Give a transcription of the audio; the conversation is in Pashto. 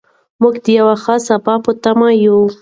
موږ د یو ښه سبا په تمه یو.